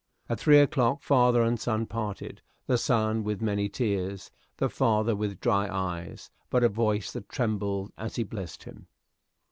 At three o'clock father and son parted, the son with many tears, the father with dry eyes, but a voice that trembled as he blessed him.